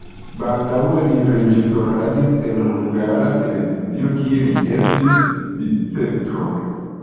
Baldaŭe li reĝisoradis en Hungara Televizio, kie li estis vicestro.